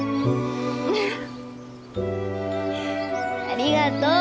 ありがとう。